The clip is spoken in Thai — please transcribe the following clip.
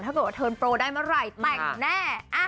ถ้าเกิดว่าเทิร์นโปรได้เมื่อไหร่แต่งแน่